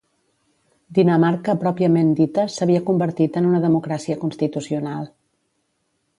Dinamarca pròpiament dita s'havia convertit en una democràcia constitucional.